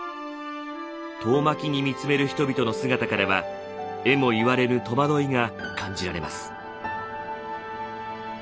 遠巻きに見つめる人々の姿からはえも言われぬ戸惑いが感じられます。